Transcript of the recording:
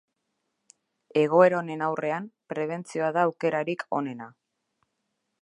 Egoera honen aurrean, prebentzioa da aukerarik onena.